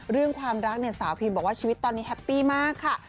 เรื่องความรักเนี่ยสาวพิมบอกว่าชีวิตตอนนี้แฮปปี้มากค่ะ